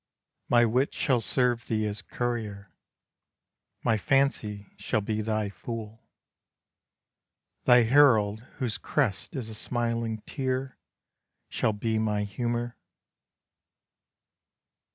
My wit shall serve thee as courier, My fancy shall be thy fool, Thy herald, whose crest is a smiling tear, Shall be my humor.